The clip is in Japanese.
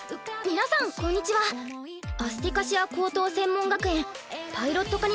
皆さんこんにちはアスティカシア高等専門学園パイロット科